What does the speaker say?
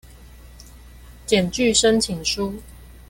檢具申請書